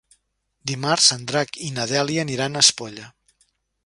Dimarts en Drac i na Dèlia aniran a Espolla.